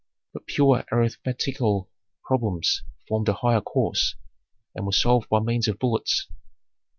But pure arithmetical problems formed a higher course, and were solved by means of bullets.